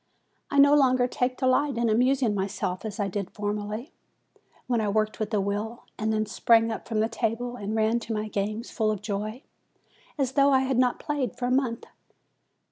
I no longer take delight in amusing myself as I did formerly, when I worked with a will, and then sprang up from the table and ran to my games full of joy, as though I had not played for a month.